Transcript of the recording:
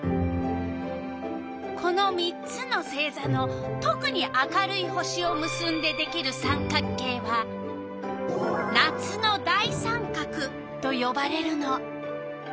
この３つの星座のとくに明るい星をむすんでできる三角形は「夏の大三角」とよばれるの。